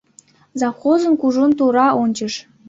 Завхозым кужун тура ончыш.